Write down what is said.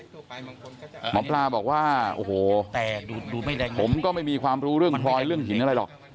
หมอปลาบอกว่าโอ้โหแต่ผมก็ไม่มีความรู้เรื่องพลอยเรื่องหินอะไรหรอก